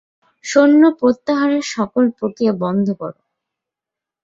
সৈন্য প্রত্যাহারের সকল প্রক্রিয়া বন্ধ কর!